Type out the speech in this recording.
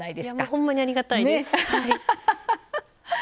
ほんまにありがたいです。